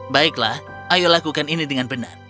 baiklah ayo lakukan ini dengan benar